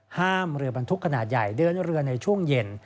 ห้ามเรือบรรทุกขนาดใหญ่เดินเรือในช่วงเย็น